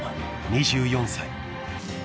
２４歳］